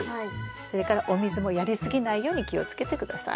それからお水もやり過ぎないように気をつけて下さい。